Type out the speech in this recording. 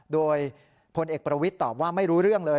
โดยพลเอกประวิทย์ตอบว่าไม่รู้เรื่องเลย